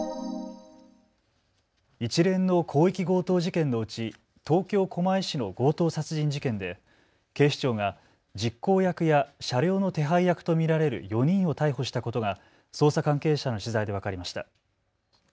一連の広域強盗事件のうち東京狛江市の強盗殺人事件で警視庁が実行役や車両の手配役と見られる４人を逮捕したことが捜査関係者への取材で分かりました。